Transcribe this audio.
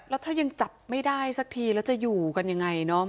แล้วถ้ายังจับไม่ได้สักทีแล้วจะอยู่กันยังไงเนาะ